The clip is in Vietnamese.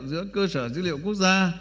giữa cơ sở dữ liệu quốc gia